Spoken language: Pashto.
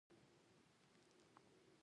دوی د ټولنې پر یو قشر وضعیت تحمیلوي.